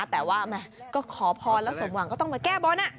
แต่ว่าก็ขอพรแล้วสมหวังก็ต้องมาแก้บน